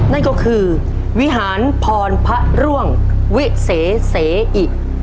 นั่นก็คือวิหารพรพระร่วงวิเศษเสอิ